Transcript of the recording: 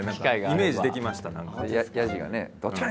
イメージできました何か。